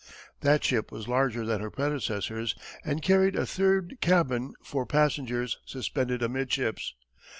That ship was larger than her predecessors and carried a third cabin for passengers suspended amidships.